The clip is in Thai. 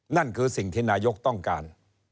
นั่นคือสิ่งที่นายกต้องการ